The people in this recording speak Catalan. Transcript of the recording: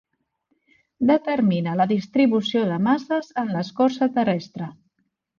Determina la distribució de masses en l'escorça terrestre.